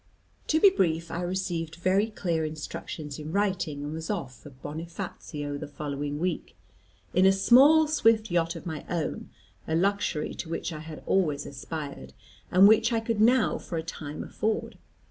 To be brief, I received very clear instructions in writing, and was off for Bonifazio the following week, in a small swift yacht of my own, a luxury to which I had always aspired, and which I could now for a time afford.